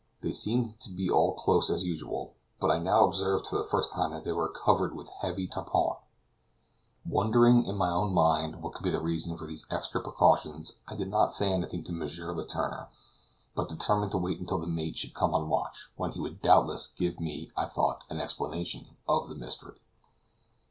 They seemed to be all close as usual, but I now observed for the first time that they were covered with heavy tarpauling. Wondering in my own mind what could be the reason for these extra precautions I did not say anything to M. Letourneur, but determined to wait until the mate should come on watch, when he would doubtless give me, I thought, an explanation of the mystery.